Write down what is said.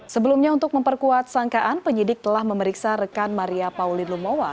sebelumnya untuk memperkuat sangkaan penyidik telah memeriksa rekan maria pauline lumowa